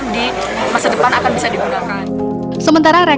repotet marular menggunakan arah verybion